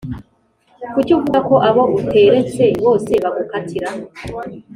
Kuki uvuga ko abo uterese bose bagukatira